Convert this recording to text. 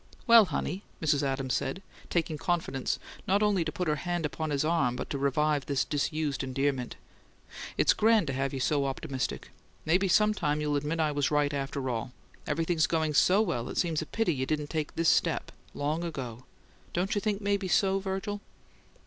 "Well, honey," Mrs. Adams said, taking confidence not only to put her hand upon his arm, but to revive this disused endearment; "it's grand to have you so optimistic. Maybe some time you'll admit I was right, after all. Everything's going so well, it seems a pity you didn't take this this step long ago. Don't you think maybe so, Virgil?"